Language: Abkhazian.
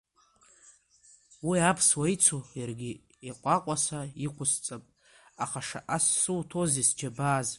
Уи аԥсуа ицу-иаргьы иҟәаҟәаса иқәысҵап, аха шаҟа суҭозеи сџьабааз?